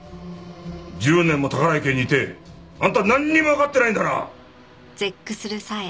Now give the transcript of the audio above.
１０年も宝居家にいてあんたなんにもわかってないんだな！